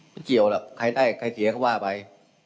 มันเกี่ยวหรอกใครได้ใครเสียก็ว่าไป